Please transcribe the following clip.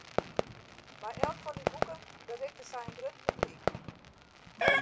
Mei elk fan dy boeken berikte sy in grut publyk.